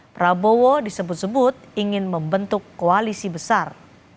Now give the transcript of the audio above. prabowo disebut sebut ingin membentuk koalisi besar